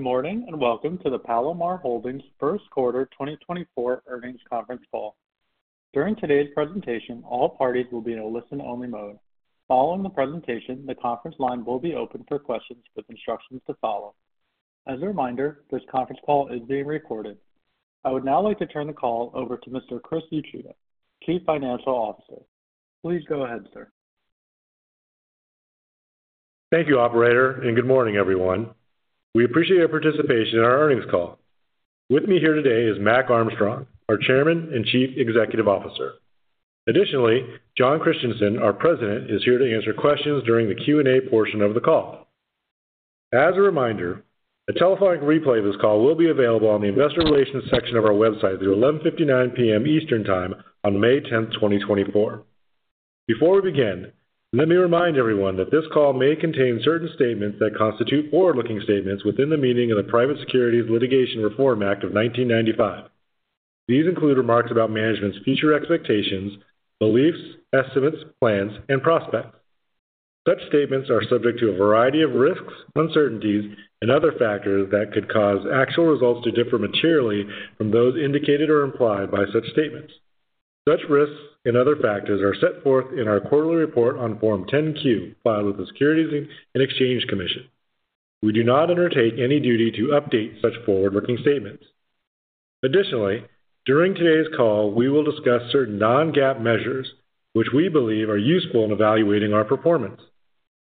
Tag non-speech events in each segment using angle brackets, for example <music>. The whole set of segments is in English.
Good morning, and welcome to the Palomar Holdings First Quarter 2024 Earnings Conference Call. During today's presentation, all parties will be in a listen-only mode. Following the presentation, the conference line will be open for questions with instructions to follow. As a reminder, this conference call is being recorded. I would now like to turn the call over to Mr. Chris Uchida, Chief Financial Officer. Please go ahead, sir. Thank you, operator, and good morning, everyone. We appreciate your participation in our earnings call. With me here today is Mac Armstrong, our Chairman and Chief Executive Officer. Additionally, Jon Christianson, our President, is here to answer questions during the Q&A portion of the call. As a reminder, a telephonic replay of this call will be available on the investor relations section of our website through 11:59 P.M. Eastern Time on May 10th, 2024. Before we begin, let me remind everyone that this call may contain certain statements that constitute forward-looking statements within the meaning of the Private Securities Litigation Reform Act of 1995. These include remarks about management's future expectations, beliefs, estimates, plans, and prospects. Such statements are subject to a variety of risks, uncertainties, and other factors that could cause actual results to differ materially from those indicated or implied by such statements. Such risks and other factors are set forth in our quarterly report on Form 10-Q, filed with the Securities and Exchange Commission. We do not undertake any duty to update such forward-looking statements. Additionally, during today's call, we will discuss certain non-GAAP measures which we believe are useful in evaluating our performance.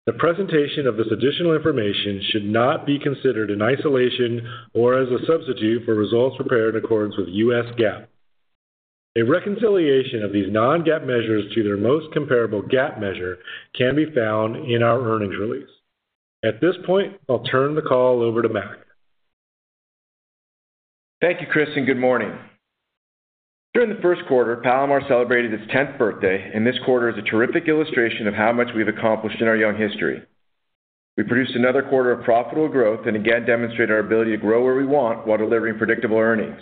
The presentation of this additional information should not be considered in isolation or as a substitute for results prepared in accordance with U.S. GAAP. A reconciliation of these non-GAAP measures to their most comparable GAAP measure can be found in our earnings release. At this point, I'll turn the call over to Mac. Thank you, Chris, and good morning. During the first quarter, Palomar celebrated its 10th birthday, and this quarter is a terrific illustration of how much we've accomplished in our young history. We produced another quarter of profitable growth and again demonstrated our ability to grow where we want while delivering predictable earnings.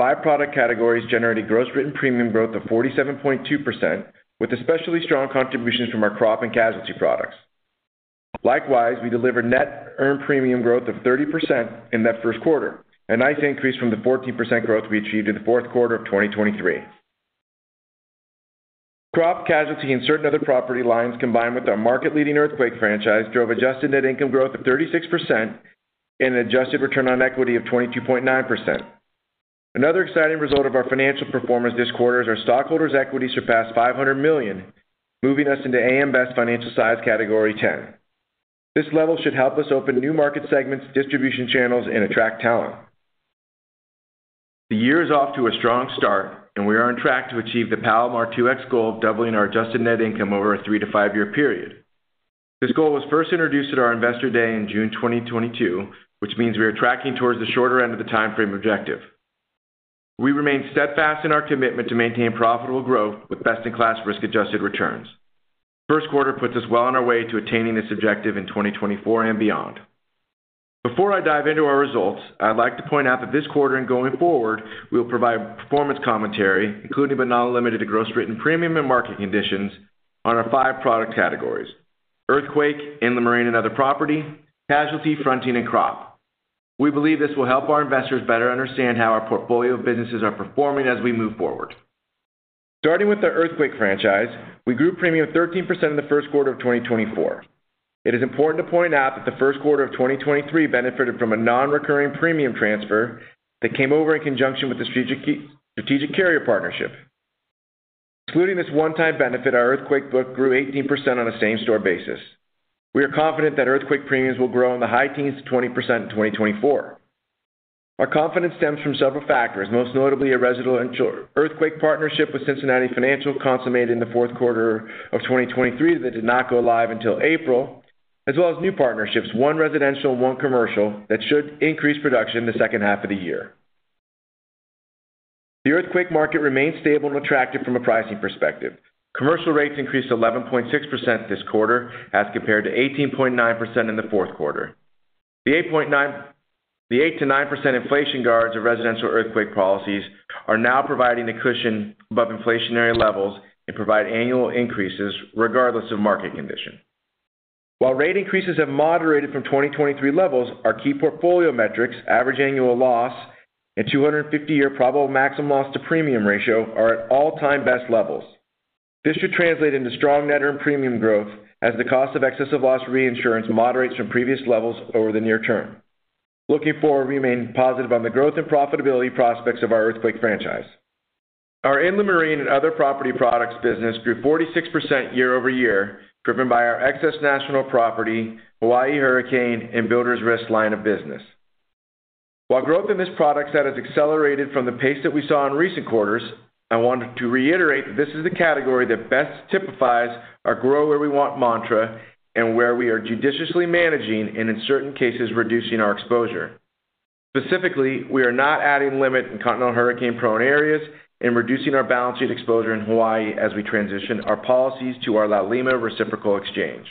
Five product categories generated gross written premium growth of 47.2%, with especially strong contributions from our crop and casualty products. Likewise, we delivered net earned premium growth of 30% in that first quarter, a nice increase from the 14% growth we achieved in the fourth quarter of 2023. Crop, casualty, and certain other property lines, combined with our market-leading earthquake franchise, drove adjusted net income growth of 36% and an adjusted return on equity of 22.9%. Another exciting result of our financial performance this quarter is our stockholders' equity surpassed $500 million, moving us into AM Best Financial Size Category X. This level should help us open new market segments, distribution channels, and attract talent. The year is off to a strong start, and we are on track to achieve the Palomar 2X goal of doubling our adjusted net income over a 3-5-year period. This goal was first introduced at our Investor Day in June 2022, which means we are tracking towards the shorter end of the timeframe objective. We remain steadfast in our commitment to maintain profitable growth with best-in-class risk-adjusted returns. First quarter puts us well on our way to attaining this objective in 2024 and beyond. Before I dive into our results, I'd like to point out that this quarter and going forward, we will provide performance commentary, including but not limited to gross written premium and market conditions on our five product categories: earthquake, inland marine and other property, casualty, fronting, and crop. We believe this will help our investors better understand how our portfolio of businesses are performing as we move forward. Starting with the earthquake franchise, we grew premium 13% in the first quarter of 2024. It is important to point out that the first quarter of 2023 benefited from a non-recurring premium transfer that came over in conjunction with the strategic carrier partnership. Excluding this one-time benefit, our earthquake book grew 18% on a same-store basis. We are confident that earthquake premiums will grow in the high teens to 20% in 2024. Our confidence stems from several factors, most notably a residential earthquake partnership with Cincinnati Financial, consummated in the fourth quarter of 2023, that did not go live until April, as well as new partnerships, one residential and one commercial, that should increase production in the second half of the year. The earthquake market remains stable and attractive from a pricing perspective. Commercial rates increased 11.6% this quarter as compared to 18.9% in the fourth quarter. The 8%-9% inflation guards of residential earthquake policies are now providing a cushion above inflationary levels and provide annual increases regardless of market condition. While rate increases have moderated from 2023 levels, our key portfolio metrics, average annual loss and 250-year probable maximum loss to premium ratio, are at all-time best levels. This should translate into strong net earned premium growth as the cost of excess of loss reinsurance moderates from previous levels over the near term. Looking forward, we remain positive on the growth and profitability prospects of our Earthquake franchise. Our Inland Marine and Other Property products business grew 46% year-over-year, driven by our Excess National Property, Hawaii Hurricane, and Builders Risk line of business. While growth in this product set has accelerated from the pace that we saw in recent quarters, I wanted to reiterate that this is the category that best typifies our grow-where-we-want mantra and where we are judiciously managing and, in certain cases, reducing our exposure. Specifically, we are not adding limit in continental hurricane-prone areas and reducing our balance sheet exposure in Hawaii as we transition our policies to our Laulima Reciprocal Exchange.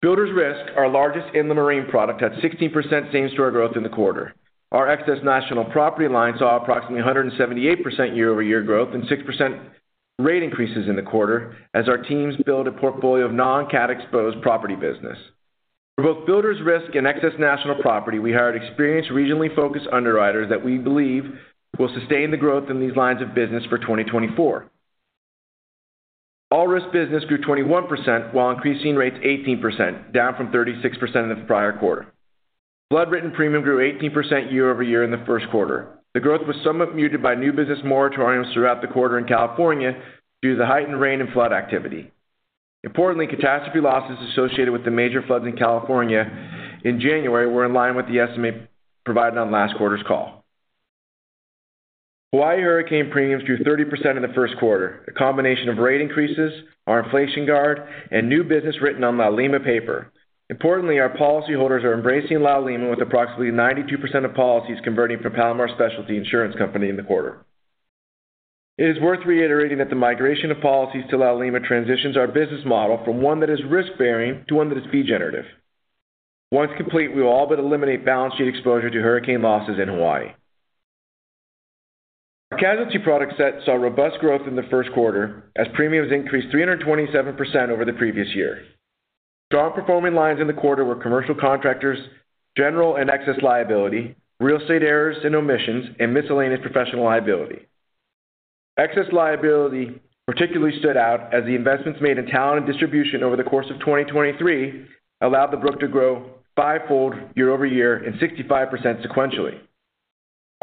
Builders Risk, our largest Inland Marine product, had 16% same-store growth in the quarter. Our Excess National Property line saw approximately 178% year-over-year growth and 6% rate increases in the quarter as our teams build a portfolio of non-cat exposed property business. For both Builders Risk and Excess National Property, we hired experienced, regionally focused underwriters that we believe will sustain the growth in these lines of business for 2024. All Risk business grew 21%, while increasing rates 18%, down from 36% in the prior quarter. Flood written premium grew 18% year-over-year in the first quarter. The growth was somewhat muted by new business moratoriums throughout the quarter in California due to the heightened rain and flood activity. Importantly, catastrophe losses associated with the major floods in California in January were in line with the estimate provided on last quarter's call. Hawaii hurricane premiums grew 30% in the first quarter, a combination of rate increases, our Inflation Guard, and new business written on Laulima paper. Importantly, our policyholders are embracing Laulima, with approximately 92% of policies converting from Palomar Specialty Insurance Company in the quarter. It is worth reiterating that the migration of policies to Laulima transitions our business model from one that is risk-bearing to one that is fee generative. Once complete, we will all but eliminate balance sheet exposure to hurricane losses in Hawaii. Our casualty product set saw robust growth in the first quarter as premiums increased 327% over the previous year. Strong performing lines in the quarter were Commercial Contractors, General and Excess Liability, Real Estate Errors and Omissions, and Miscellaneous Professional Liability. Excess Liability particularly stood out as the investments made in talent and distribution over the course of 2023 allowed the book to grow fivefold year-over-year and 65% sequentially.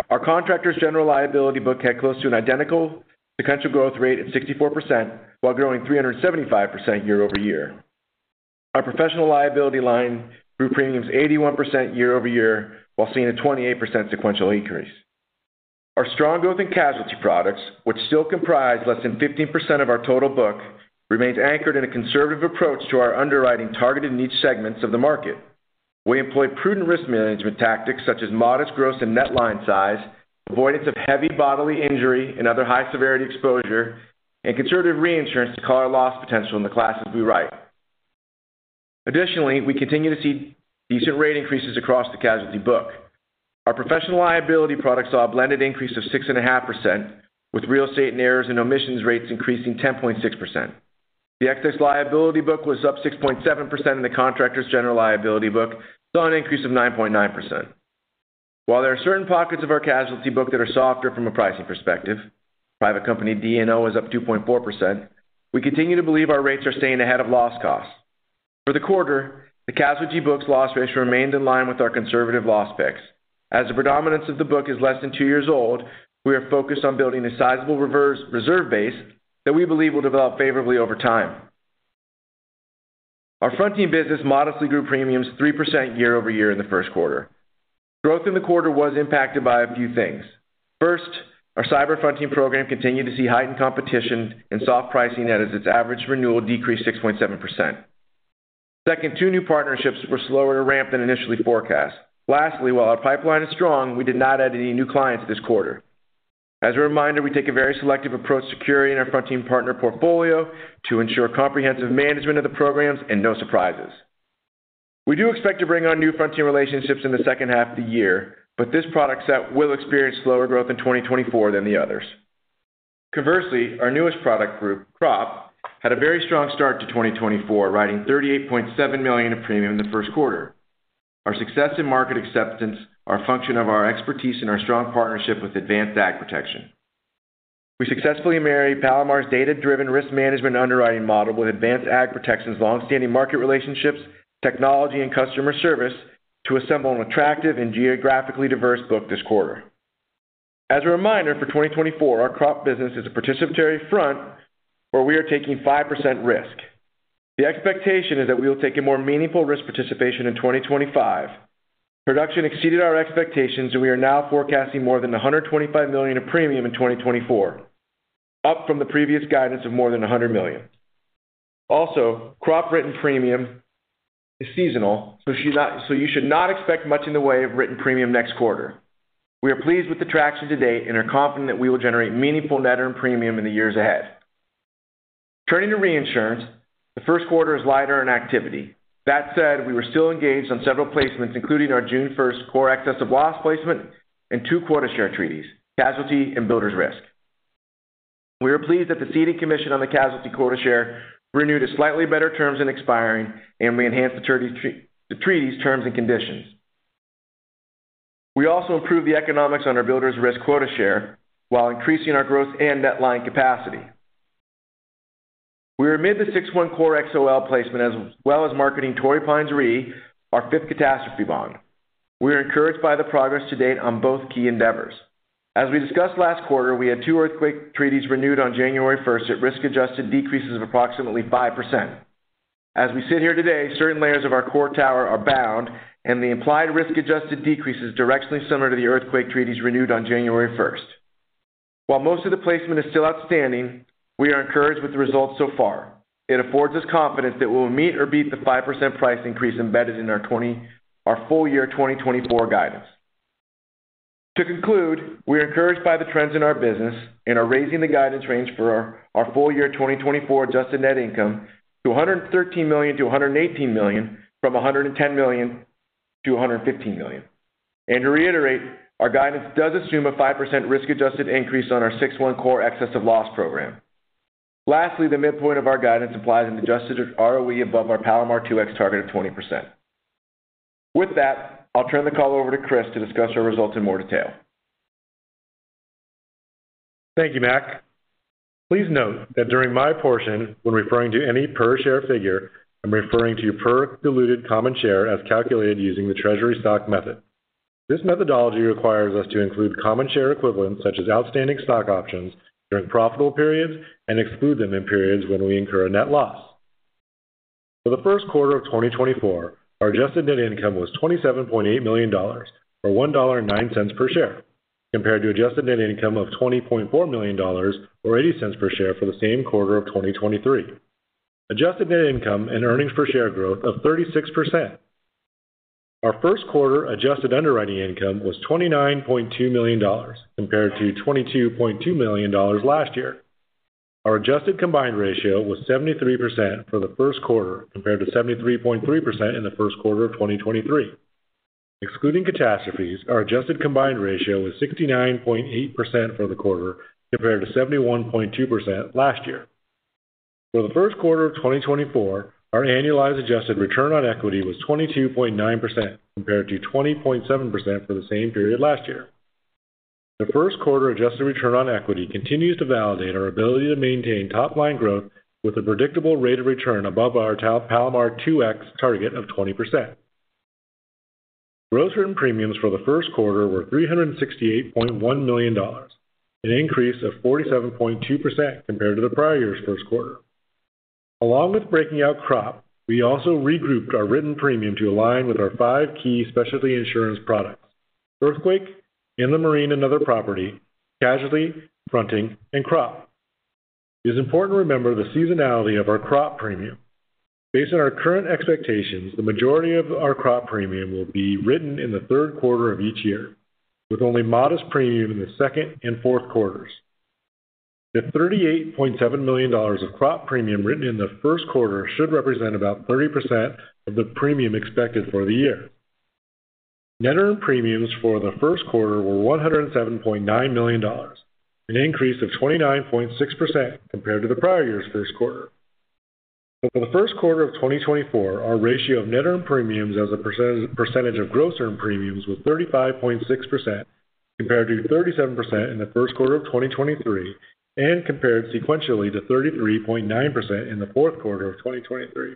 Our Contractors General Liability book had close to an identical sequential growth rate of 64%, while growing 375% year-over-year. Our professional liability line grew premiums 81% year-over-year, while seeing a 28% sequential increase. Our strong growth in casualty products, which still comprise less than 15% of our total book, remains anchored in a conservative approach to our underwriting targeted niche segments of the market. We employ prudent risk management tactics such as modest gross and net line size, avoidance of heavy bodily injury and other high-severity exposure, and conservative reinsurance to cover our loss potential in the classes we write. Additionally, we continue to see decent rate increases across the casualty book. Our professional liability products saw a blended increase of 6.5%, with real estate and errors and omissions rates increasing 10.6%. The excess liability book was up 6.7%, and the contractors general liability book saw an increase of 9.9%. While there are certain pockets of our casualty book that are softer from a pricing perspective, private company D&O is up 2.4%, we continue to believe our rates are staying ahead of loss costs. For the quarter, the casualty book's loss ratio remained in line with our conservative loss picks. As the predominance of the book is less than two years old, we are focused on building a sizable reserve base that we believe will develop favorably over time. Our fronting business modestly grew premiums 3% year-over-year in the first quarter. Growth in the quarter was impacted by a few things. First, our cyber fronting program continued to see heightened competition and soft pricing as its average renewal decreased 6.7%. Second, two new partnerships were slower to ramp than initially forecast. Lastly, while our pipeline is strong, we did not add any new clients this quarter. As a reminder, we take a very selective approach to security in our fronting partner portfolio to ensure comprehensive management of the programs and no surprises. We do expect to bring on new fronting relationships in the second half of the year, but this product set will experience slower growth in 2024 than the others. Conversely, our newest product group, Crop, had a very strong start to 2024, writing $38.7 million in premium in the first quarter. Our success and market acceptance are a function of our expertise and our strong partnership with Advanced AgProtection. We successfully married Palomar's data-driven risk management underwriting model with Advanced AgProtection's long-standing market relationships, technology, and customer service to assemble an attractive and geographically diverse book this quarter. As a reminder, for 2024, our crop business is a participatory front where we are taking 5% risk. The expectation is that we will take a more meaningful risk participation in 2025. Production exceeded our expectations, and we are now forecasting more than $125 million in premium in 2024, up from the previous guidance of more than $100 million. Also, crop written premium is seasonal, so you should not expect much in the way of written premium next quarter. We are pleased with the traction to date and are confident that we will generate meaningful Net Earned Premium in the years ahead. Turning to reinsurance, the first quarter is lighter in activity. That said, we were still engaged on several placements, including our June 1st core Excess of Loss placement and two quota share treaties, casualty and Builders Risk. We are pleased that the ceding commission on the casualty quota share renewed a slightly better terms than expiring, and we enhanced the treaties, terms, and conditions. We also improved the economics on our Builders Risk quota share while increasing our growth and net line capacity. We are amid the 6/1 core XOL placement, as well as marketing Torrey Pines Re, our fifth catastrophe bond. We are encouraged by the progress to date on both key endeavors. As we discussed last quarter, we had two earthquake treaties renewed on January first at risk-adjusted decreases of approximately 5%. As we sit here today, certain layers of our core tower are bound, and the implied risk-adjusted decrease is directionally similar to the earthquake treaties renewed on January 1st. While most of the placement is still outstanding, we are encouraged with the results so far. It affords us confidence that we'll meet or beat the 5% price increase embedded in our full year 2024 guidance. To conclude, we are encouraged by the trends in our business and are raising the guidance range for our full year 2024 adjusted net income to $113 million-$118 million from $110 million-$115 million. And to reiterate, our guidance does assume a 5% risk-adjusted increase on our 6-1 core excess of loss program. Lastly, the midpoint of our guidance implies an adjusted ROE above our Palomar 2X target of 20%. With that, I'll turn the call over to Chris to discuss our results in more detail. Thank you, Mac. Please note that during my portion, when referring to any per share figure, I'm referring to per diluted common share as calculated using the treasury stock method. This methodology requires us to include common share equivalents, such as outstanding stock options, during profitable periods, and exclude them in periods when we incur a net loss. For the first quarter of 2024, our adjusted net income was $27.8 million or $1.09 per share, compared to adjusted net income of $20.4 million, or $0.80 per share, for the same quarter of 2023. Adjusted net income and earnings per share growth of 36%. Our first quarter adjusted underwriting income was $29.2 million, compared to $22.2 million last year. Our adjusted combined ratio was 73% for the first quarter, compared to 73.3% in the first quarter of 2023. Excluding catastrophes, our adjusted combined ratio was 69.8% for the quarter, compared to 71.2% last year. For the first quarter of 2024, our annualized adjusted return on equity was 22.9%, compared to 20.7% for the same period last year. The first quarter adjusted return on equity continues to validate our ability to maintain top-line growth with a predictable rate of return above our Palomar 2X target of 20%. Gross earned premiums for the first quarter were $368.1 million, an increase of 47.2% compared to the prior year's first quarter. Along with breaking out crop, we also regrouped our written premium to align with our five key specialty insurance products: Earthquake, Inland Marine and Other Property, Casualty, Fronting, and Crop. It is important to remember the seasonality of our crop premium. Based on our current expectations, the majority of our crop premium will be written in the third quarter of each year, with only modest premium in the second and fourth quarters. The $38.7 million of crop premium written in the first quarter should represent about 30% of the premium expected for the year. Net earned premiums for the first quarter were $107.9 million, an increase of 29.6% compared to the prior year's first quarter. For the first quarter of 2024, our ratio of net earned premiums as a percentage, percentage of gross earned premiums was 35.6%, compared to 37% in the first quarter of 2023, and compared sequentially to 33.9% in the fourth quarter of 2023.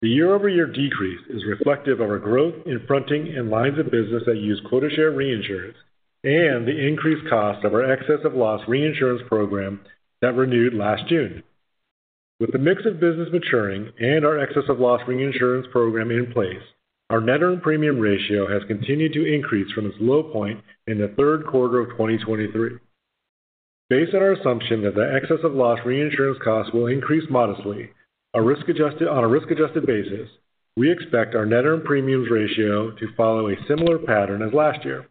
The year-over-year decrease is reflective of our growth in fronting and lines of business that use quota share reinsurance, and the increased cost of our excess of loss reinsurance program that renewed last June. With the mix of business maturing and our excess of loss reinsurance program in place, our net earned premium ratio has continued to increase from its low point in the third quarter of 2023. Based on our assumption that the excess of loss reinsurance costs will increase modestly, on a risk-adjusted basis, we expect our net earned premiums ratio to follow a similar pattern as last year.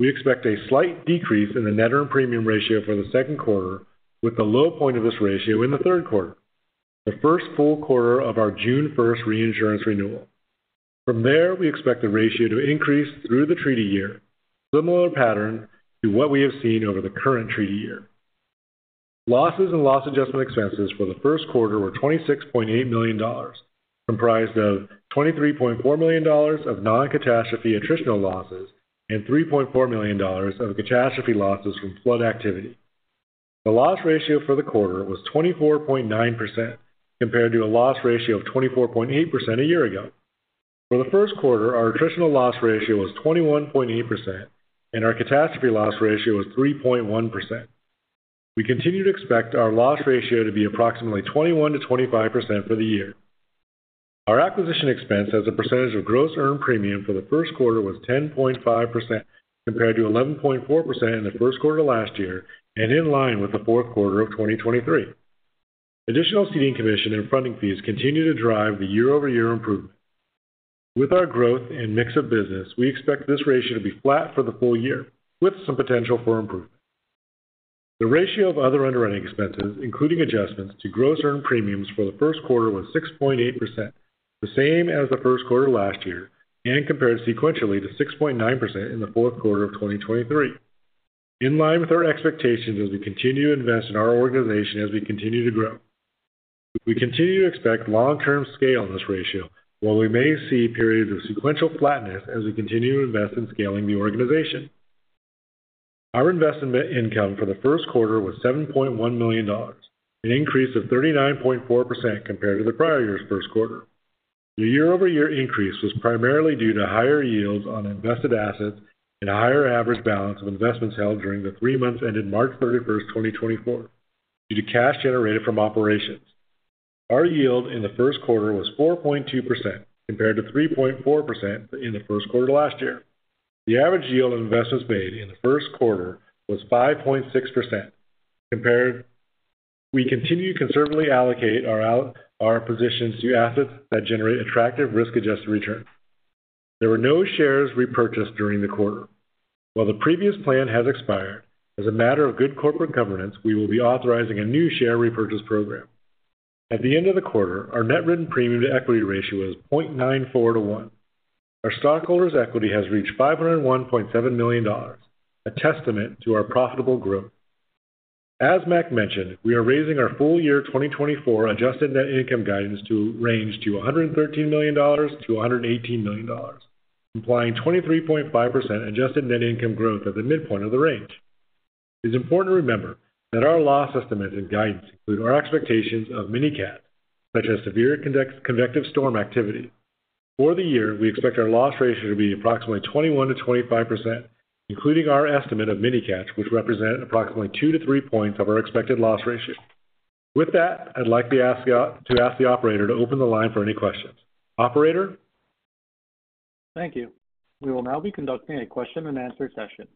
We expect a slight decrease in the net earned premium ratio for the second quarter, with the low point of this ratio in the third quarter, the first full quarter of our June first reinsurance renewal. From there, we expect the ratio to increase through the treaty year, similar pattern to what we have seen over the current treaty year. Losses and loss adjustment expenses for the first quarter were $26.8 million, comprised of $23.4 million of non-catastrophe attritional losses and $3.4 million of catastrophe losses from flood activity. The loss ratio for the quarter was 24.9%, compared to a loss ratio of 24.8% a year ago. For the first quarter, our attritional loss ratio was 21.8%, and our catastrophe loss ratio was 3.1%. We continue to expect our loss ratio to be approximately 21%-25% for the year. Our acquisition expense as a percentage of gross earned premium for the first quarter was 10.5%, compared to 11.4% in the first quarter last year, and in line with the fourth quarter of 2023. Additional ceding commission and fronting fees continue to drive the year-over-year improvement. With our growth and mix of business, we expect this ratio to be flat for the full year, with some potential for improvement. The ratio of other underwriting expenses, including adjustments to gross earned premiums for the first quarter, was 6.8%, the same as the first quarter last year, and compared sequentially to 6.9% in the fourth quarter of 2023. In line with our expectations, as we continue to invest in our organization, as we continue to grow, we continue to expect long-term scale in this ratio, while we may see periods of sequential flatness as we continue to invest in scaling the organization. Our investment income for the first quarter was $7.1 million, an increase of 39.4% compared to the prior year's first quarter. The year-over-year increase was primarily due to higher yields on invested assets and a higher average balance of investments held during the three months, ended March 31st, 2024, due to cash generated from operations. Our yield in the first quarter was 4.2%, compared to 3.4% in the first quarter last year. The average yield of investments made in the first quarter was 5.6% compared. We continue to conservatively allocate our positions to assets that generate attractive risk-adjusted return. There were no shares repurchased during the quarter. While the previous plan has expired, as a matter of good corporate governance, we will be authorizing a new share repurchase program. At the end of the quarter, our net written premium to equity ratio was 0.94 to 1. Our stockholders' equity has reached $501.7 million, a testament to our profitable growth. As Mac mentioned, we are raising our full year 2024 adjusted net income guidance to range to $113 million-$118 million, implying 23.5% adjusted net income growth at the midpoint of the range. It's important to remember that our loss estimate and guidance include our expectations of mini cat, such as severe convective storm activity. For the year, we expect our loss ratio to be approximately 21%-25%, including our estimate of mini cats, which represent approximately 2-3 points of our expected loss ratio. With that, I'd like to ask the operator to open the line for any questions. Operator? Thank you. We will now be conducting a question-and-answer session.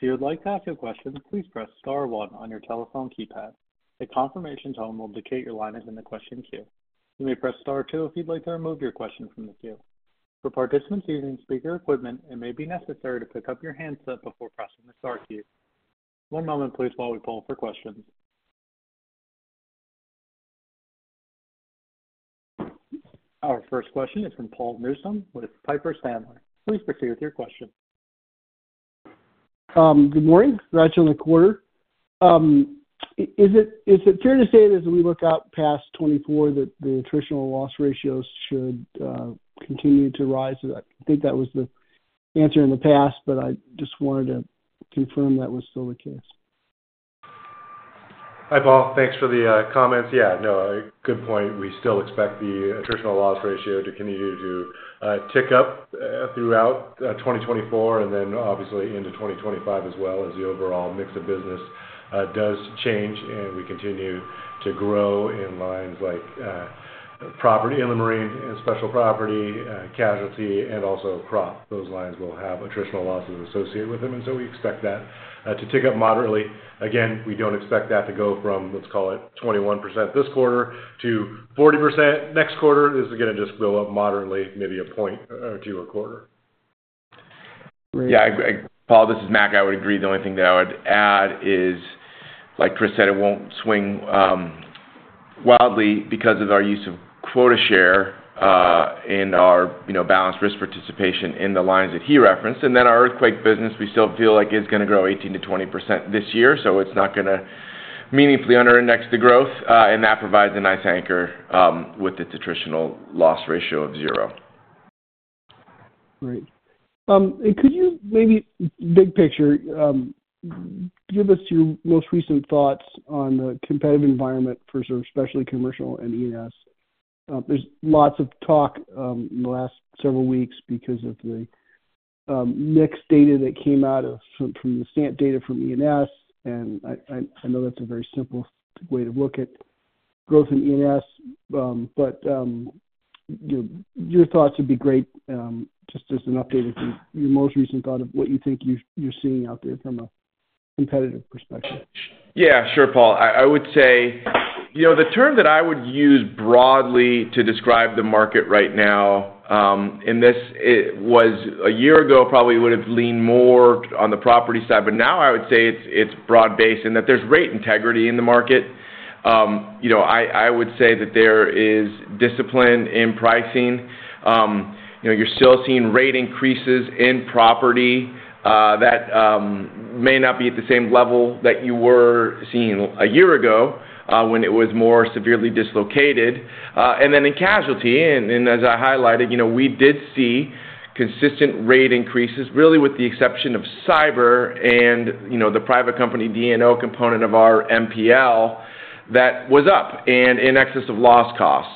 If you would like to ask a question, please press star one on your telephone keypad. A confirmation tone will indicate your line is in the question queue. You may press star two if you'd like to remove your question from the queue. For participants using speaker equipment, it may be necessary to pick up your handset before pressing the star key. One moment please, while we poll for questions. Our first question is from Paul Newsome with Piper Sandler. Please proceed with your question. Good morning. Congrats on the quarter. Is it fair to say that as we look out past 2024, that the attritional loss ratios should continue to rise? I think that was the answer in the past, but I just wanted to confirm that was still the case. Hi, Paul. Thanks for the comments. Yeah, no, good point. We still expect the attritional loss ratio to continue to tick up throughout 2024, and then obviously into 2025, as well, as the overall mix of business does change, and we continue to grow in lines like property, inland marine, special property, casualty, and also crop. Those lines will have attritional losses associated with them, and so we expect that to tick up moderately. Again, we don't expect that to go from, let's call it, 21% this quarter to 40% next quarter. This is gonna just go up moderately, maybe a point or two a quarter. Great. Yeah, Paul, this is Mac. I would agree. The only thing that I would add is, like Chris said, it won't swing wildly because of our use of quota share in our, you know, balanced risk participation in the lines that he referenced. And then our earthquake business, we still feel like is gonna grow 18%-20% this year, so it's not gonna meaningfully under index the growth, and that provides a nice anchor with its attritional loss ratio of zero. Great. And could you maybe, big picture, give us your most recent thoughts on the competitive environment for sort of specialty, commercial and E&S? There's lots of talk in the last several weeks because of the mixed data that came out of—from the stamp data from E&S, and I know that's a very simple way to look at growth in E&S, but your thoughts would be great, just as an update or your most recent thought of what you think you're seeing out there from a competitive perspective. Yeah, sure, Paul. I would say, you know, the term that I would use broadly to describe the market right now, and this, it was a year ago, probably would've leaned more on the property side, but now I would say it's broad-based and that there's rate integrity in the market. You know, I would say that there is discipline in pricing. You know, you're still seeing rate increases in property that may not be at the same level that you were seeing a year ago, when it was more severely dislocated. And then in casualty, and as I highlighted, you know, we did see consistent rate increases, really, with the exception of cyber and, you know, the private company D&O component of our MPL that was up and in excess of loss costs.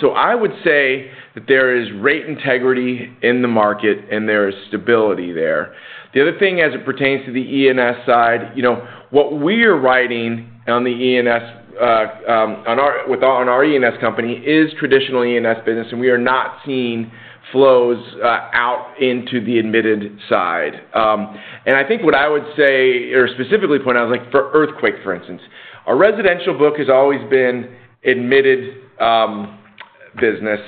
So I would say that there is rate integrity in the market, and there is stability there. The other thing, as it pertains to the E&S side, you know, what we are writing on the E&S, on our E&S company, is traditional E&S business, and we are not seeing flows out into the admitted side. And I think what I would say or specifically point out, like for earthquake, for instance, our residential book has always been admitted business,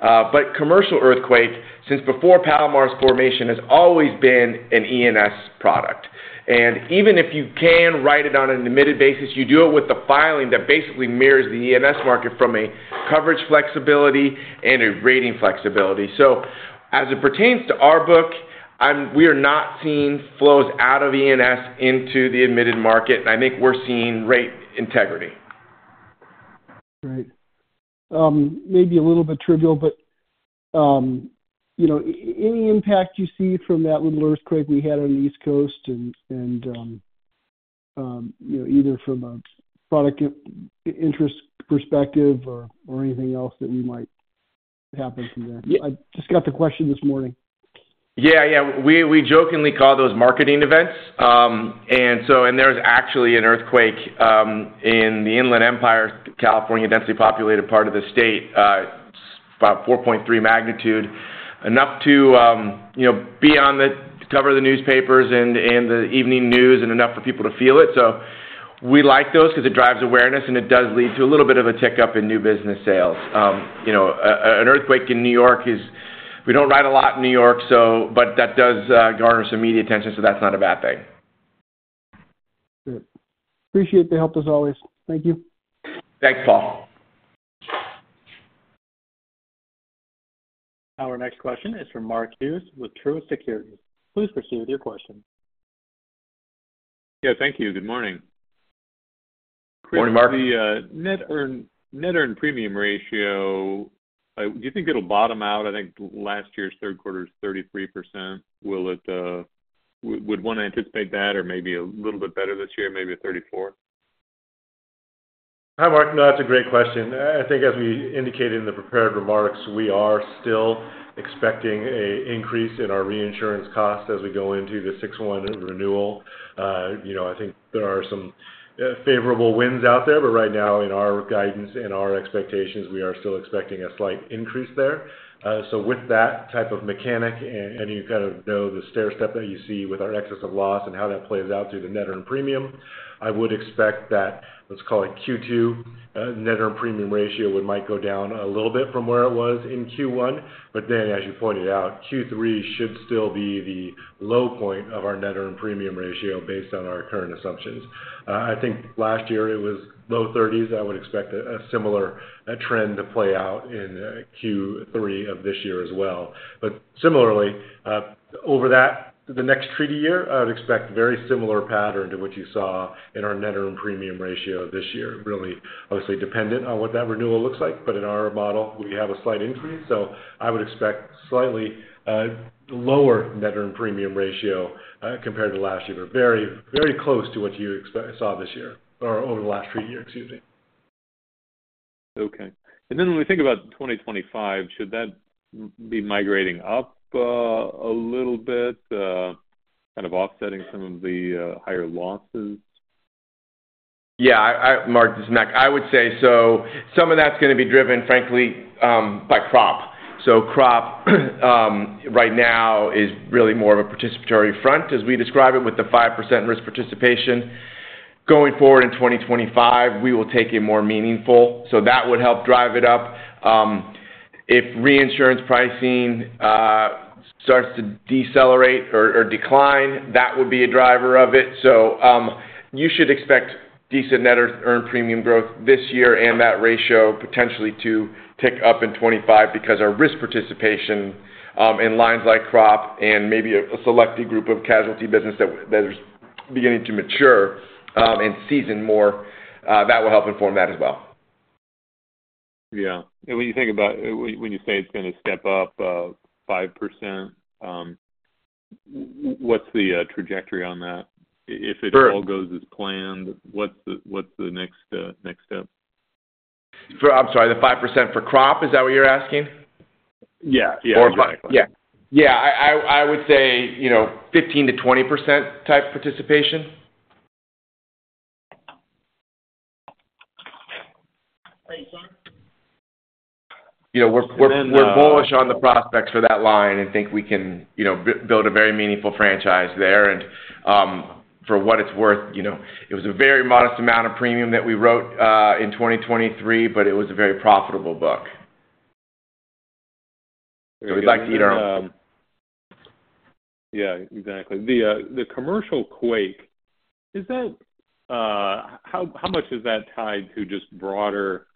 but commercial earthquake, since before Palomar's formation, has always been an E&S product. And even if you can write it on an admitted basis, you do it with the filing that basically mirrors the E&S market from a coverage flexibility and a rating flexibility. So as it pertains to our book, we are not seeing flows out of E&S into the admitted market, and I think we're seeing rate integrity. Great. Maybe a little bit trivial, but, you know, any impact you see from that little earthquake we had on the East Coast and, you know, either from a product interest perspective or anything else that we might happen from there? Yeah- I just got the question this morning. Yeah, yeah, we, we jokingly call those marketing events, and so—and there's actually an earthquake in the Inland Empire, California, densely populated part of the state. It's about 4.3 magnitude, enough to, you know, be on the cover of the newspapers and, and the evening news and enough for people to feel it. So we like those because it drives awareness, and it does lead to a little bit of a tick up in new business sales. You know, a, an earthquake in New York is—we don't write a lot in New York, so but that does, garner some media attention, so that's not a bad thing.... Good. Appreciate the help, as always. Thank you. Thanks, Paul. Our next question is from Mark Hughes with Truist Securities. Please proceed with your question. Yeah, thank you. Good morning. Morning, Mark. The net earned premium ratio, do you think it'll bottom out? I think last year's third quarter is 33%. Will it, would one anticipate that or maybe a little bit better this year, maybe a 34%? Hi, Mark. No, that's a great question. I think as we indicated in the prepared remarks, we are still expecting an increase in our reinsurance costs as we go into the 6/1 renewal. You know, I think there are some favorable winds out there, but right now, in our guidance and our expectations, we are still expecting a slight increase there. So with that type of mechanic, and you kind of know the stairstep that you see with our excess of loss and how that plays out through the net earned premium, I would expect that, let's call it Q2, net earned premium ratio, it might go down a little bit from where it was in Q1. But then, as you pointed out, Q3 should still be the low point of our net earned premium ratio based on our current assumptions. I think last year it was low thirties. I would expect a similar trend to play out in Q3 of this year as well. But similarly, over that, the next treaty year, I would expect very similar pattern to what you saw in our net earned premium ratio this year. Really, obviously dependent on what that renewal looks like, but in our model, we have a slight increase, so I would expect slightly lower net earned premium ratio compared to last year. But very, very close to what you saw this year, or over the last three years, excuse me. Okay. And then when we think about 2025, should that be migrating up a little bit, kind of offsetting some of the higher losses? Yeah. Mark, this is Mac. I would say so. Some of that's gonna be driven, frankly, by crop. So crop, right now is really more of a participatory front, as we describe it, with the 5% risk participation. Going forward in 2025, we will take it more meaningful, so that would help drive it up. If reinsurance pricing starts to decelerate or decline, that would be a driver of it. So, you should expect decent net earned premium growth this year and that ratio potentially to tick up in 2025 because our risk participation in lines like crop and maybe a selected group of casualty business that is beginning to mature and season more, that will help inform that as well. Yeah. And when you think about... When you say it's gonna step up 5%, what's the trajectory on that? Sure. If it all goes as planned, what's the, what's the next, next step? I'm sorry, the 5% for crop, is that what you're asking? Yeah. Yeah, exactly. Yeah. Yeah, I would say, you know, 15%-20% type participation. <inaudible> You know, <inaudible> think we're bullish on the prospects for that line and think we can, you know, build a very meaningful franchise there. And, for what it's worth, you know, it was a very modest amount of premium that we wrote in 2023, but it was a very profitable book. We'd like to get our own. Yeah, exactly. The commercial quake, is that—how much is that tied to just broader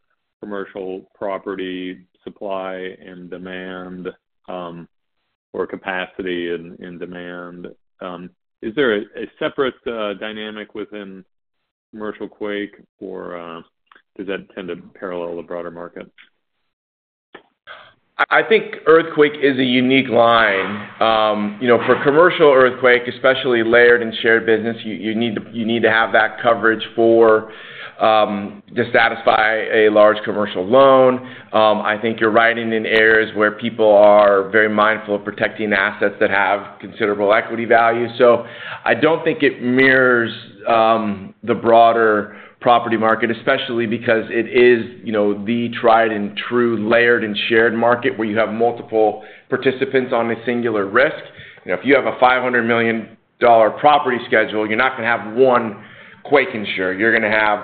commercial property supply and demand, or capacity and demand? Is there a separate dynamic within commercial quake or does that tend to parallel the broader market? I think earthquake is a unique line. You know, for commercial earthquake, especially layered and shared business, you need to have that coverage to satisfy a large commercial loan. I think you're riding in areas where people are very mindful of protecting assets that have considerable equity value. So I don't think it mirrors the broader property market, especially because it is, you know, the tried and true layered and shared market, where you have multiple participants on a singular risk. You know, if you have a $500 million property schedule, you're not gonna have one quake insurer, you're gonna have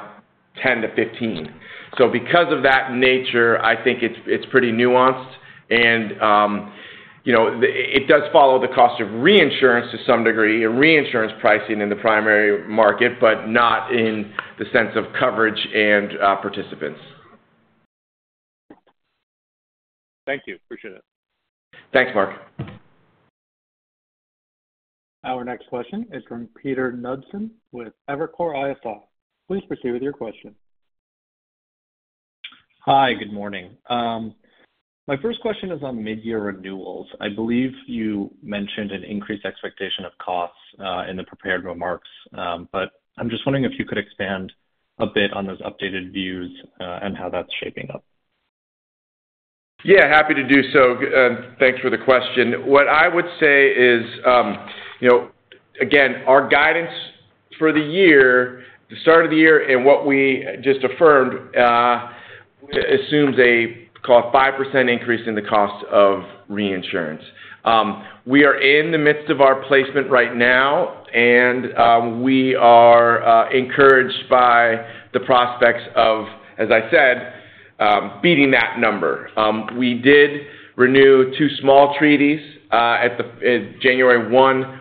10 to 15. So because of that nature, I think it's pretty nuanced and, you know, it does follow the cost of reinsurance to some degree and reinsurance pricing in the primary market, but not in the sense of coverage and participants. Thank you. Appreciate it. Thanks, Mark. Our next question is from Peter Knudsen with Evercore ISI. Please proceed with your question. Hi, good morning. My first question is on midyear renewals. I believe you mentioned an increased expectation of costs in the prepared remarks. But I'm just wondering if you could expand a bit on those updated views, and how that's shaping up. Yeah, happy to do so. Thanks for the question. What I would say is, you know, again, our guidance for the year, the start of the year and what we just affirmed, assumes a 5% increase in the cost of reinsurance. We are in the midst of our placement right now, and we are encouraged by the prospects of, as I said, beating that number. We did renew two small treaties at the, in January 1,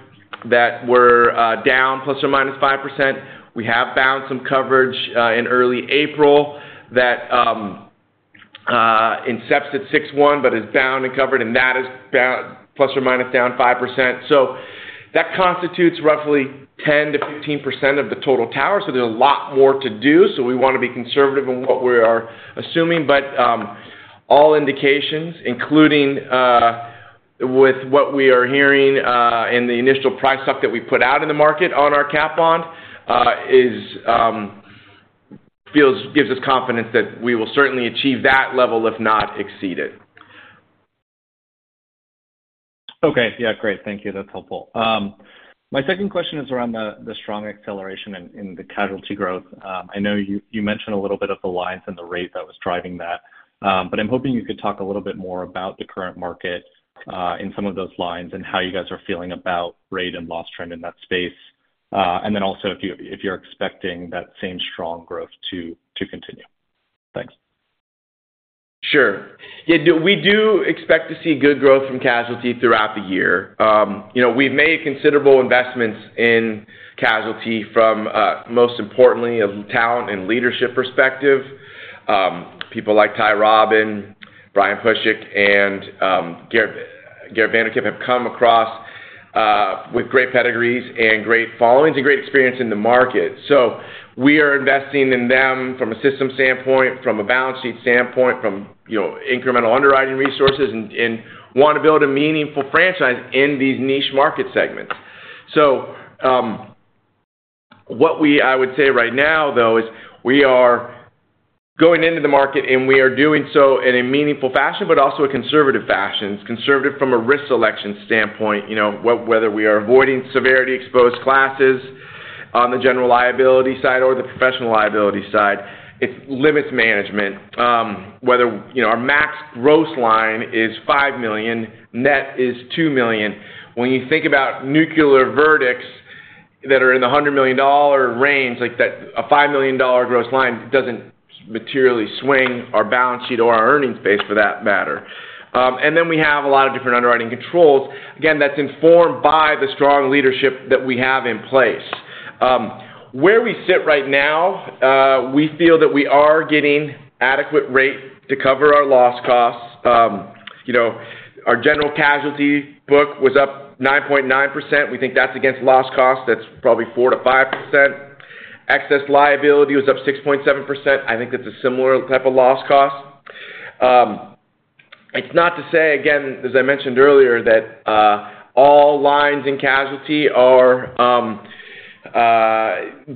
that were down ±5%. We have found some coverage in early April that incepts at June 1, but is down and covered, and that is down ±5%. So that constitutes roughly 10%-15% of the total tower. So there's a lot more to do. So we want to be conservative in what we are assuming. But, all indications, including, with what we are hearing, in the initial price check that we put out in the market on our cap bond, is, gives us confidence that we will certainly achieve that level, if not exceed it. Okay. Yeah, great. Thank you. That's helpful. My second question is around the strong acceleration in the casualty growth. I know you mentioned a little bit of the lines and the rate that was driving that, but I'm hoping you could talk a little bit more about the current market in some of those lines and how you guys are feeling about rate and loss trend in that space. And then also if you're expecting that same strong growth to continue. Thanks. Sure. Yeah, we do expect to see good growth from casualty throughout the year. You know, we've made considerable investments in casualty from, most importantly, a talent and leadership perspective. People like Ty Robben, Brian Pushic, and Gerrit VandeKemp have come across with great pedigrees and great followings and great experience in the market. So we are investing in them from a system standpoint, from a balance sheet standpoint, from, you know, incremental underwriting resources and want to build a meaningful franchise in these niche market segments. So, I would say right now, though, is we are going into the market, and we are doing so in a meaningful fashion, but also a conservative fashion. It's conservative from a risk selection standpoint, you know, whether we are avoiding severity exposed classes on the general liability side or the professional liability side, it's limits management. Whether, you know, our max gross line is $5 million, net is $2 million. When you think about nuclear verdicts that are in the $100 million range, like that, a $5 million gross line doesn't materially swing our balance sheet or our earnings base for that matter. And then we have a lot of different underwriting controls. Again, that's informed by the strong leadership that we have in place. Where we sit right now, we feel that we are getting adequate rate to cover our loss costs. You know, our general casualty book was up 9.9%. We think that's against loss cost. That's probably 4%-5%. Excess liability was up 6.7%. I think that's a similar type of loss cost. It's not to say, again, as I mentioned earlier, that all lines in casualty are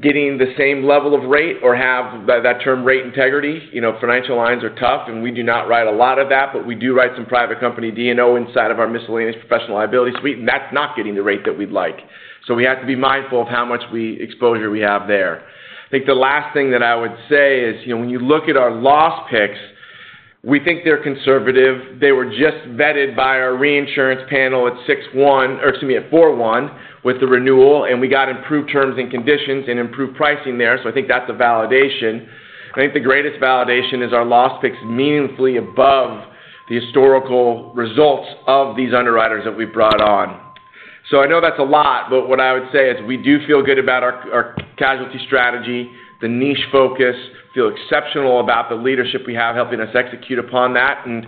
getting the same level of rate or have that, that term rate integrity. You know, financial lines are tough, and we do not write a lot of that, but we do write some private company D&O inside of our miscellaneous professional liability suite, and that's not getting the rate that we'd like. So we have to be mindful of how much exposure we have there. I think the last thing that I would say is, you know, when you look at our loss picks, we think they're conservative. They were just vetted by our reinsurance panel at 6:1, or excuse me, at 4:1, with the renewal, and we got improved terms and conditions and improved pricing there, so I think that's a validation. I think the greatest validation is our loss picks meaningfully above the historical results of these underwriters that we've brought on. So I know that's a lot, but what I would say is we do feel good about our, our casualty strategy, the niche focus, feel exceptional about the leadership we have, helping us execute upon that. And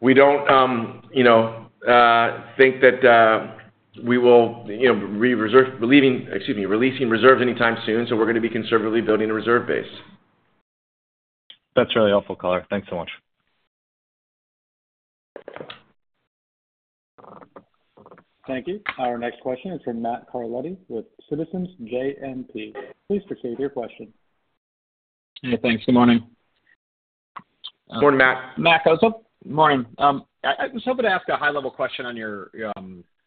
we don't, you know, think that, we will, you know, releasing reserves anytime soon, so we're going to be conservatively building a reserve base. That's really helpful color. Thanks so much. Thank you. Our next question is from Matt Carletti with Citizens JMP. Please proceed with your question. Hey, thanks. Good morning. Good morning, Matt. Matt, morning. I was hoping to ask a high-level question on your,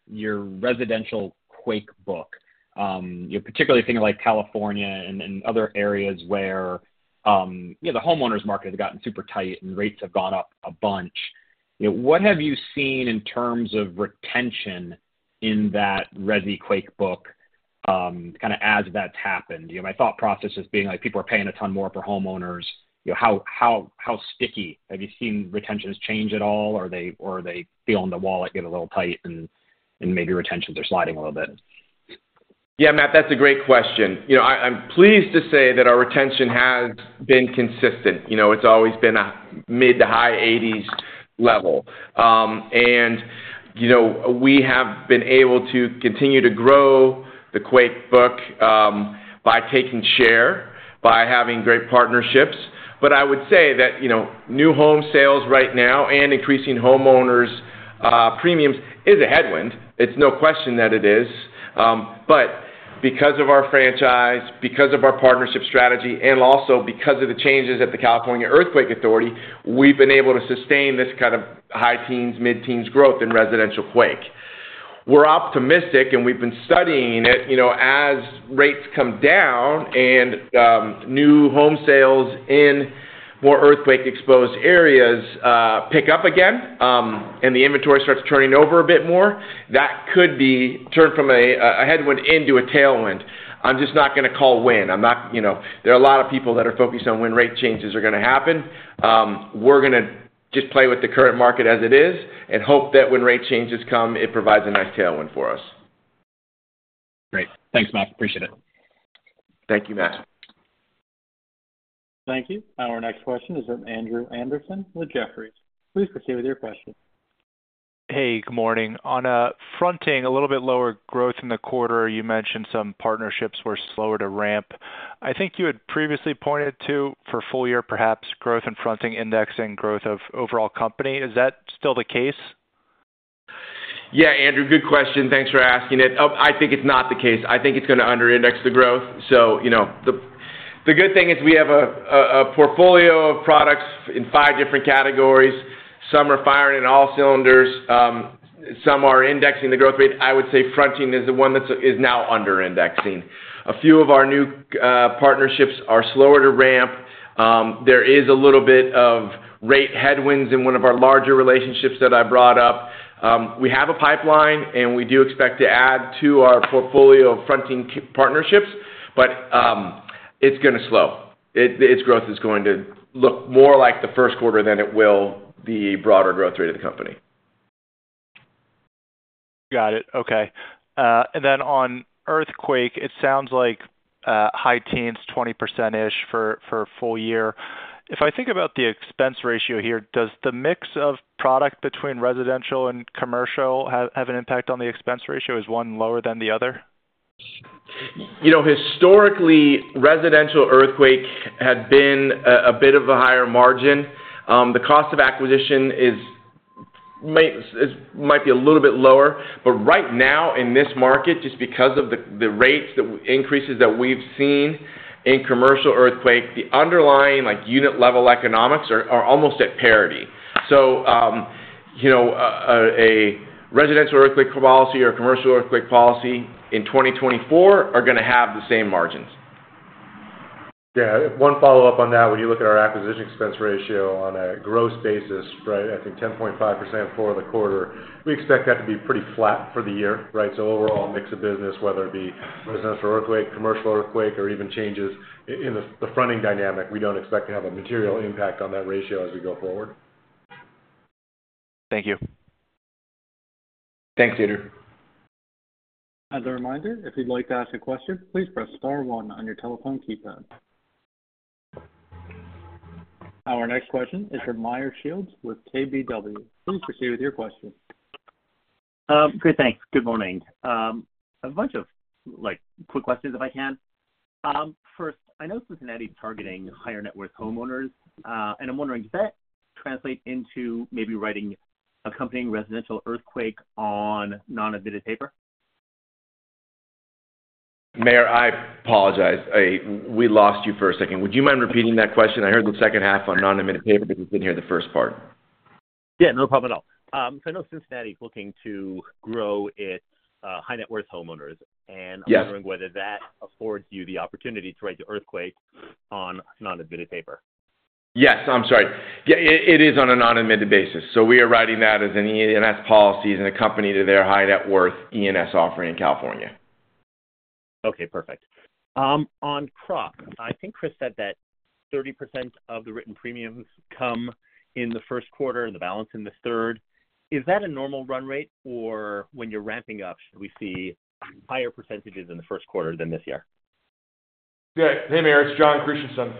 your residential quake book. You know, particularly thinking like California and, and other areas where, you know, the homeowners market has gotten super tight and rates have gone up a bunch. You know, what have you seen in terms of retention in that resi quake book, kind of as that's happened? You know, my thought process is being like, people are paying a ton more for homeowners. You know, how, how, how sticky? Have you seen retentions change at all, or they, or they feel in the wallet, get a little tight and, and maybe retentions are sliding a little bit? Yeah, Matt, that's a great question. You know, I, I'm pleased to say that our retention has been consistent. You know, it's always been a mid- to high-80s level. And you know, we have been able to continue to grow the quake book by taking share, by having great partnerships. But I would say that, you know, new home sales right now and increasing homeowners premiums is a headwind. It's no question that it is. But because of our franchise, because of our partnership strategy, and also because of the changes at the California Earthquake Authority, we've been able to sustain this kind of high teens, mid-teens growth in residential quake. We're optimistic, and we've been studying it, you know, as rates come down and, new home sales in more earthquake-exposed areas, pick up again, and the inventory starts turning over a bit more, that could be turned from a, a headwind into a tailwind. I'm just not going to call when. I'm not... You know, there are a lot of people that are focused on when rate changes are going to happen. We're gonna just play with the current market as it is, and hope that when rate changes come, it provides a nice tailwind for us. Great. Thanks, Mac. Appreciate it. Thank you, Matt. Thank you. Our next question is from Andrew Andersen with Jefferies. Please proceed with your question. Hey, good morning. On fronting, a little bit lower growth in the quarter, you mentioned some partnerships were slower to ramp. I think you had previously pointed to, for full year, perhaps, growth in fronting indexing growth of overall company. Is that still the case? Yeah, Andrew, good question. Thanks for asking it. I think it's not the case. I think it's gonna under index the growth. So, you know, the good thing is we have a portfolio of products in five different categories. Some are firing in all cylinders, some are indexing the growth rate. I would say fronting is the one that's now under indexing. A few of our new partnerships are slower to ramp. There is a little bit of rate headwinds in one of our larger relationships that I brought up. We have a pipeline, and we do expect to add to our portfolio of fronting partnerships, but it's gonna slow. Its growth is going to look more like the first quarter than it will the broader growth rate of the company. Got it. Okay. And then on earthquake, it sounds like high teens, 20%-ish for full year. If I think about the expense ratio here, does the mix of product between residential and commercial have an impact on the expense ratio? Is one lower than the other? You know, historically, residential earthquake had been a bit of a higher margin. The cost of acquisition is might be a little bit lower, but right now, in this market, just because of the rates, the increases that we've seen in commercial earthquake, the underlying, like, unit level economics are almost at parity. So, you know, a residential earthquake policy or commercial earthquake policy in 2024 are gonna have the same margins. Yeah, one follow-up on that. When you look at our acquisition expense ratio on a gross basis, right, I think 10.5% for the quarter, we expect that to be pretty flat for the year, right? So overall mix of business, whether it be Residential Earthquake, Commercial Earthquake, or even changes in the Fronting dynamic, we don't expect to have a material impact on that ratio as we go forward. Thank you. Thanks, Andrew. As a reminder, if you'd like to ask a question, please press star one on your telephone keypad. Our next question is from Meyer Shields with KBW. Please proceed with your question. Great, thanks. Good morning. A bunch of, like, quick questions, if I can. First, I know Cincinnati is targeting higher net worth homeowners, and I'm wondering: Does that translate into maybe writing accompanying residential earthquake on non-admitted paper? Meyer, I apologize. We lost you for a second. Would you mind repeating that question? I heard the second half on non-admitted paper, but didn't hear the first part. Yeah, no problem at all. So I know Cincinnati is looking to grow its high net worth homeowners- Yes. I'm wondering whether that affords you the opportunity to write the earthquake on non-admitted paper? Yes, I'm sorry. Yeah, it is on a non-admitted basis, so we are writing that as an E&S policy and accompaniment to their high net worth E&S offering in California. Okay, perfect. On crop, I think Chris said that 30% of the written premiums come in the first quarter, the balance in the third. Is that a normal run rate, or when you're ramping up, should we see higher percentages in the first quarter than this year? Yeah. Hey, Meyer, it's Jon Christianson.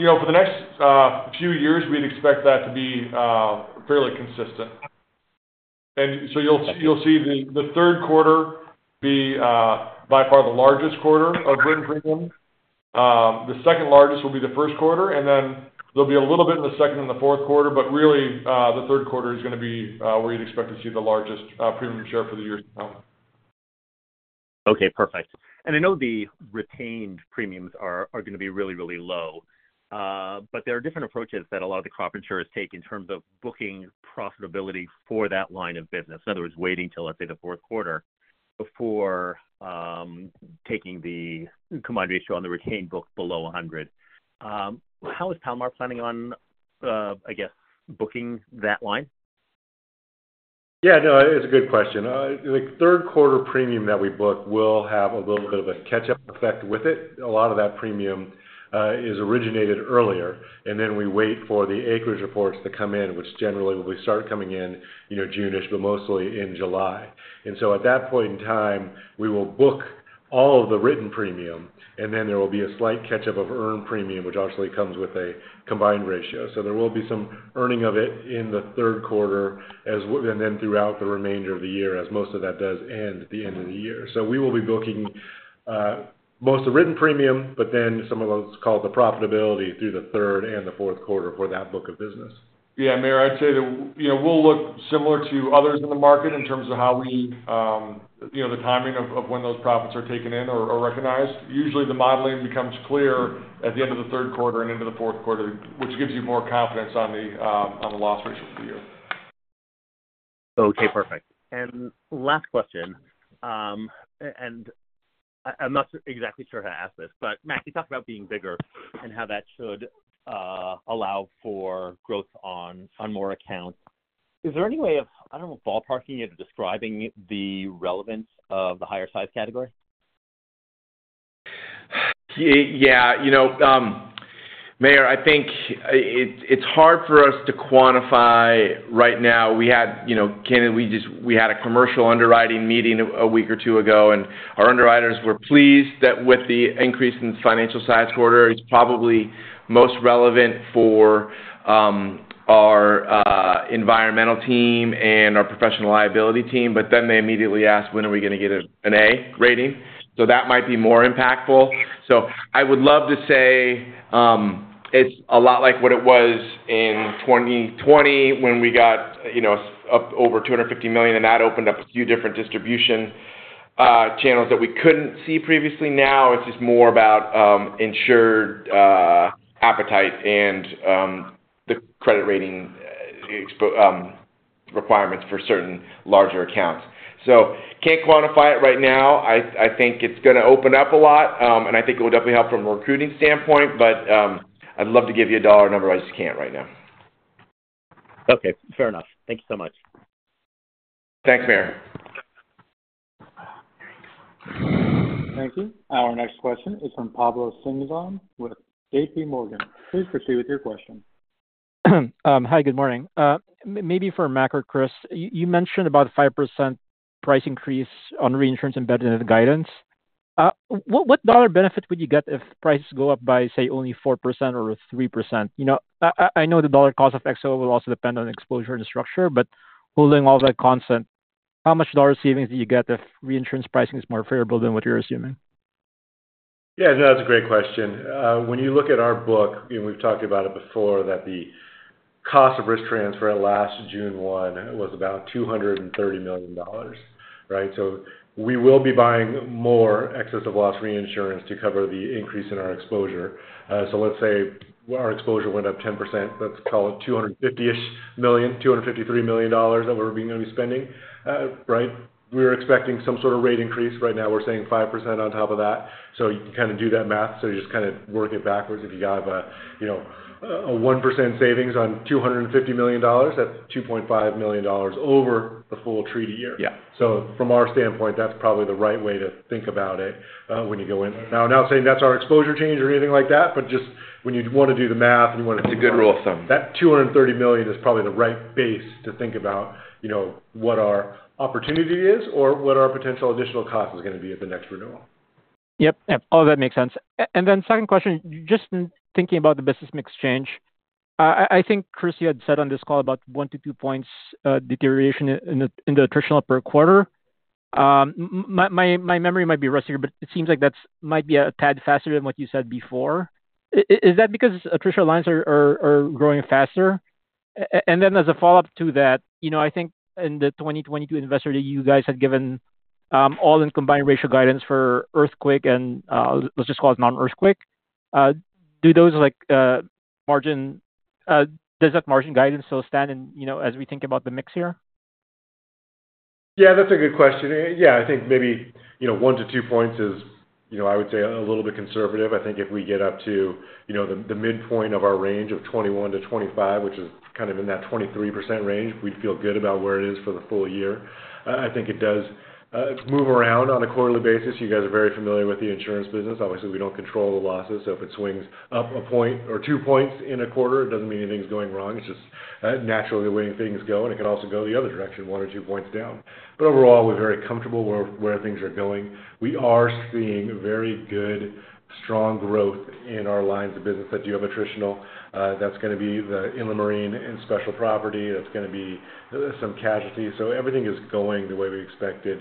You know, for the next few years, we'd expect that to be fairly consistent. And so you'll see the third quarter be by far the largest quarter of written premium. The second largest will be the first quarter, and then there'll be a little bit in the second and the fourth quarter, but really, the third quarter is gonna be where you'd expect to see the largest premium share for the year to come. Okay, perfect. And I know the retained premiums are, are gonna be really, really low. But there are different approaches that a lot of the crop insurers take in terms of booking profitability for that line of business. In other words, waiting till, let's say, the fourth quarter before taking the combined ratio on the retained book below 100. How is Palomar planning on, I guess, booking that line? Yeah, no, it's a good question. The third quarter premium that we book will have a little bit of a catch-up effect with it. A lot of that premium is originated earlier, and then we wait for the acreage reports to come in, which generally will start coming in, you know, June-ish, but mostly in July. And so at that point in time, we will book all of the written premium, and then there will be a slight catch-up of earned premium, which obviously comes with a combined ratio. So there will be some earning of it in the third quarter, and then throughout the remainder of the year, as most of that does end at the end of the year. So we will be booking most of the written premium, but then some of those called the profitability through the third and the fourth quarter for that book of business. Yeah, Meyer, I'd say that, you know, we'll look similar to others in the market in terms of how we, you know, the timing of when those profits are taken in or recognized. Usually, the modeling becomes clear at the end of the third quarter and into the fourth quarter, which gives you more confidence on the on the loss ratio for the year. Okay, perfect. And last question, and I, I'm not exactly sure how to ask this, but Mac, you talked about being bigger and how that should allow for growth on, on more accounts. Is there any way of, I don't know, ballparking it or describing the relevance of the higher size category? Yeah, you know, Meyer, I think it's hard for us to quantify right now. We had, you know, Ken, we just had a commercial underwriting meeting a week or two ago, and our underwriters were pleased with the increase in financial size category. It's probably most relevant for our environmental team and our professional liability team. But then they immediately asked: When are we gonna get an A rating? So that might be more impactful. So I would love to say, it's a lot like what it was in 2020 when we got, you know, over $250 million, and that opened up a few different distribution channels that we couldn't see previously. Now, it's just more about insurer appetite and the credit rating exposure requirements for certain larger accounts. So can't quantify it right now. I, I think it's gonna open up a lot, and I think it will definitely help from a recruiting standpoint, but I'd love to give you a dollar number. I just can't right now. Okay, fair enough. Thank you so much. Thanks, Meyer. Thank you. Our next question is from Pablo Singzon with J.P. Morgan. Please proceed with your question. Hi, good morning. Maybe for Mac or Chris, you mentioned about a 5% price increase on reinsurance embedded in the guidance. What dollar benefit would you get if prices go up by, say, only 4% or 3%? You know, I know the dollar cost of XOL will also depend on exposure and structure, but holding all that constant, how much dollar savings do you get if reinsurance pricing is more favorable than what you're assuming? Yeah, no, that's a great question. When you look at our book, and we've talked about it before, that the cost of risk transfer last June 1 was about $230 million, right? So we will be buying more excess of loss reinsurance to cover the increase in our exposure. So let's say our exposure went up 10%. Let's call it $250-ish million, $253 million that we're gonna be spending. Right? We were expecting some sort of rate increase. Right now, we're saying 5% on top of that. So you can kind of do that math, so you just kind of work it backwards. If you have a, you know, a 1% savings on $250 million, that's $2.5 million over the full treaty year. Yeah. So from our standpoint, that's probably the right way to think about it, when you go in. Now, I'm not saying that's our exposure change or anything like that, but just when you'd wanna do the math and you wanna. It's a good rule of thumb. That $230 million is probably the right base to think about, you know, what our opportunity is or what our potential additional cost is gonna be at the next renewal. Yep. Yep, all that makes sense. And then second question, just thinking about the business mix change, I think, Chris, you had said on this call about 1-2 points deterioration in the attritional per quarter. My memory might be rusty here, but it seems like that might be a tad faster than what you said before. Is that because attritional lines are growing faster? And then as a follow-up to that, you know, I think in the 2022 Investor Day, you guys had given all-in combined ratio guidance for earthquake and let's just call it non-earthquake. Do those, like, margin... does that margin guidance still stand in, you know, as we think about the mix here? Yeah, that's a good question. Yeah, I think maybe, you know, 1-2 points is, you know, I would say, a little bit conservative. I think if we get up to, you know, the midpoint of our range of 21-25, which is kind of in that 23% range, we'd feel good about where it is for the full year. I think it does move around on a quarterly basis. You guys are very familiar with the insurance business. Obviously, we don't control the losses, so if it swings up a point or two points in a quarter, it doesn't mean anything's going wrong. It's just naturally the way things go, and it could also go the other direction, 1-2 points down. But overall, we're very comfortable where things are going. We are seeing very good, strong growth in our lines of business that you have attritional. That's gonna be in the Marine and Special Property, that's gonna be some casualty. So everything is going the way we expected.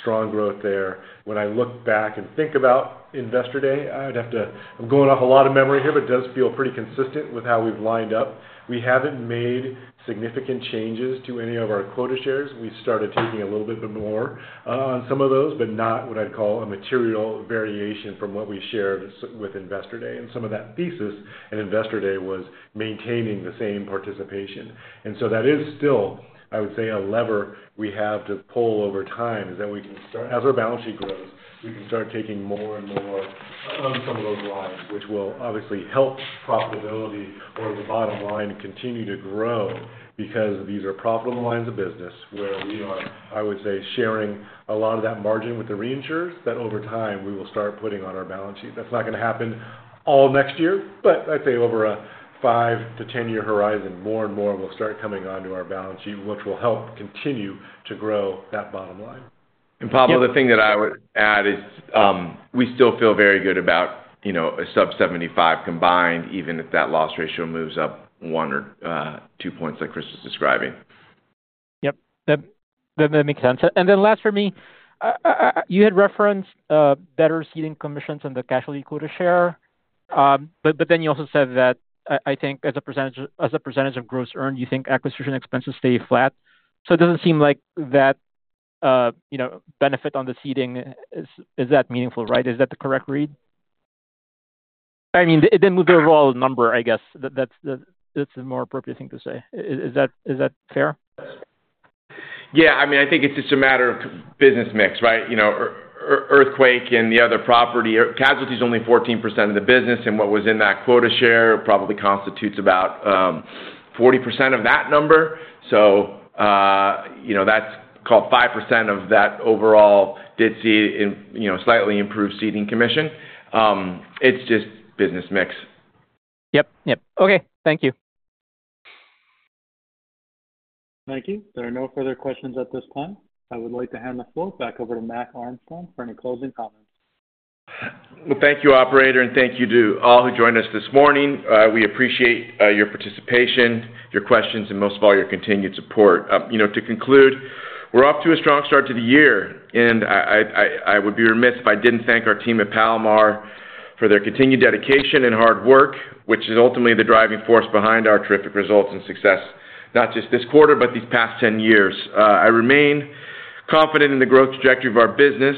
Strong growth there. When I look back and think about Investor Day, I'd have to... I'm going off a lot of memory here, but it does feel pretty consistent with how we've lined up. We haven't made significant changes to any of our quota shares. We started taking a little bit more on some of those, but not what I'd call a material variation from what we shared with Investor Day. And some of that thesis in Investor Day was maintaining the same participation. And so that is still, I would say, a lever we have to pull over time, is that we can start—as our balance sheet grows, we can start taking more and more of some of those lines, which will obviously help profitability or the bottom line continue to grow. Because these are profitable lines of business where we are, I would say, sharing a lot of that margin with the reinsurers, that over time, we will start putting on our balance sheet. That's not gonna happen all next year, but I'd say over a 5-10-year horizon, more and more will start coming onto our balance sheet, which will help continue to grow that bottom line. And Pablo- Yep. The thing that I would add is, we still feel very good about, you know, a sub-75 combined, even if that loss ratio moves up 1 or 2 points, like Chris was describing. Yep. That makes sense. Then last for me, you had referenced better ceding commissions on the casualty quota share. But then you also said that I think as a percentage of gross earned, you think acquisition expenses stay flat. So it doesn't seem like that, you know, benefit on the ceding is that meaningful, right? Is that the correct read? I mean, the overall number, I guess, that's the more appropriate thing to say. Is that fair? Yeah, I mean, I think it's just a matter of business mix, right? You know, earthquake and the other property or casualties is only 14% of the business, and what was in that Quota Share probably constitutes about, 40% of that number. So, you know, that's called 5% of that overall did see in, you know, slightly improved ceding commission. It's just business mix. Yep, yep. Okay, thank you. Thank you. There are no further questions at this time. I would like to hand the floor back over to Mac Armstrong for any closing comments. Well, thank you, operator, and thank you to all who joined us this morning. We appreciate your participation, your questions, and most of all, your continued support. You know, to conclude, we're off to a strong start to the year, and I would be remiss if I didn't thank our team at Palomar for their continued dedication and hard work, which is ultimately the driving force behind our terrific results and success, not just this quarter, but these past ten years. I remain confident in the growth trajectory of our business,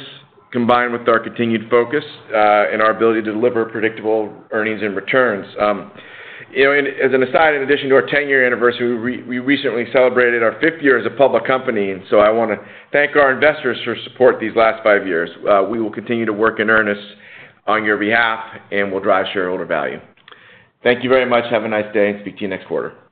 combined with our continued focus, and our ability to deliver predictable earnings and returns. You know, and as an aside, in addition to our 10-year anniversary, we recently celebrated our 5th year as a public company, and so I wanna thank our investors for their support these last five years. We will continue to work in earnest on your behalf, and we'll drive shareholder value. Thank you very much. Have a nice day, and speak to you next quarter.